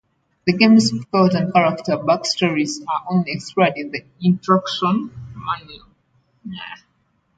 The game's plot and character backstories are only explored in the instruction manual.